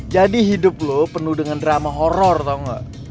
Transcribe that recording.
jadi hidup lo penuh dengan drama horror tau gak